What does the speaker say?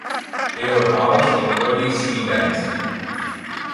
They were abolished in early Sui dynasty.